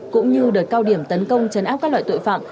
cũng như đợt cao điểm tấn công chấn áp các loại tội phạm